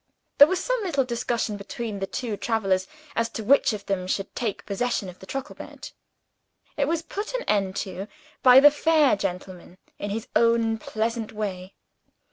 There was some little discussion between the two travelers, as to which of them should take possession of the truckle bed. It was put an end to by the fair gentleman, in his own pleasant way.